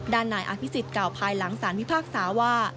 นายอภิษฎกล่าวภายหลังสารพิพากษาว่า